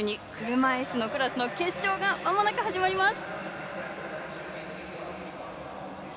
車いすのクラスの決勝がまもなく始まります。